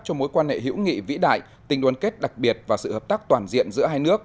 cho mối quan hệ hữu nghị vĩ đại tình đoàn kết đặc biệt và sự hợp tác toàn diện giữa hai nước